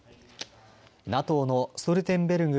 ＮＡＴＯのストルテンベルグ